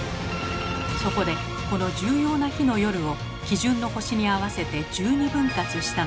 そこでこの重要な日の夜を基準の星に合わせて１２分割したのです。